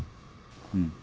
うん。